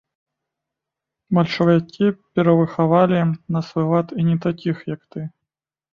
Бальшавікі перавыхавалі на свой лад і не такіх, як ты.